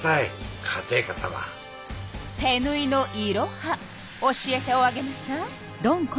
手ぬいのいろは教えておあげなさい。